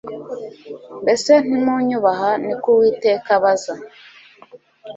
mbese ntimunyubaha ni ko uwiteka abaza